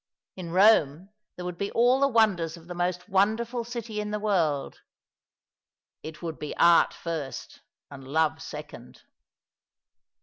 In Rome there would be all the wonders of the most wonderful city in the world. It would be art first and love second.